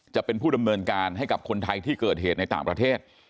จะเป็นผู้ดำเนินการให้กับคนไทยที่เกิดเหตุในต่างประเทศ